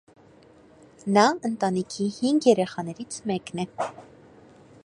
Նա ընտանիքի հինգ երեխաներից մեկն է։